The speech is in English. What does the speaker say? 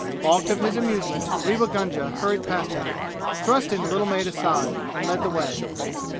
Balked of his amusement, Rewa Gunga hurried past him, thrusting the little maid aside, and led the way.